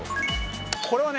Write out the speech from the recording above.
これはね。